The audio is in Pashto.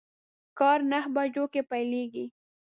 کار نهه بجو کی پیل کیږي